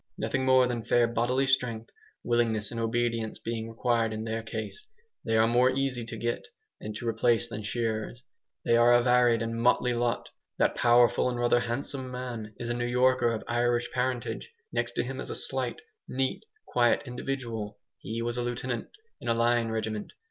Nothing more than fair bodily strength, willingness and obedience being required in their case, they are more easy to get and to replace than shearers. They are a varied and motley lot. That powerful and rather handsome man is a New Yorker, of Irish parentage. Next to him is a slight, neat, quiet individual. He was a lieutenant in a line regiment.